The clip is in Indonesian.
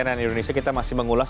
cnn indonesia kita masih mengulas